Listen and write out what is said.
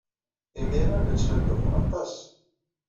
Imir-a, la ttnuddumeɣ aṭas.